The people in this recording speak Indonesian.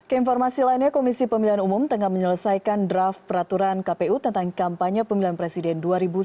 keinformasi lainnya komisi pemilihan umum tengah menyelesaikan draft peraturan kpu tentang kampanye pemilihan presiden dua ribu sembilan belas